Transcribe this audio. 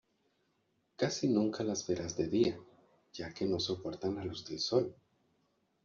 Casi nunca las verás de día, ya que no soportan la luz del sol.